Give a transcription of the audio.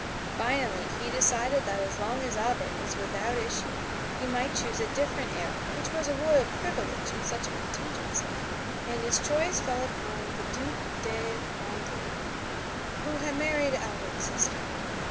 Finally he decided that as long as Albert was without issue he must choose a different heir which was a royal privilege in such a contingency, and his choice fell upon the Duc de Vendome, who had married Albert's sister.